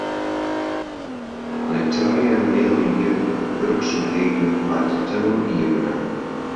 Nei trije en in heal jier bouwurksumheden waard de tunnel iepene.